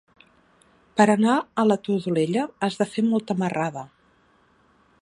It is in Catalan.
Per anar a la Todolella has de fer molta marrada.